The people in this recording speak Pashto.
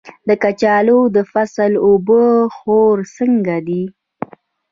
د کچالو د فصل اوبه خور څنګه دی؟